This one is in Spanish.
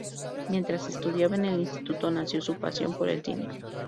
Mientras estudiaba en el instituto nació su pasión por el cine.